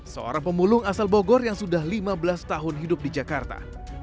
seorang pemulung asal bogor yang sudah lima belas tahun hidup di jakarta